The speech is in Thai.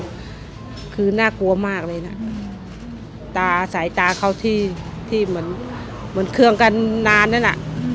เมาคือน่ากลัวมากเลยนะสายตาเขาที่เหมือนเครื่องกันนานนั่นอ่ะ